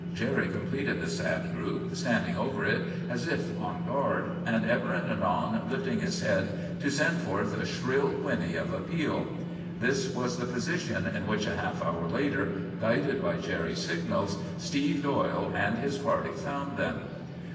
Jerry completed the sad group, standing over it as if on guard, and ever and anon lifting his head to send forth a shrill whinny of appeal. This was the position in which, a half hour later, guided by Jerry's signals, Steve Doyle and his party found them.